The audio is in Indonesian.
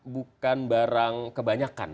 bukan barang kebangsaan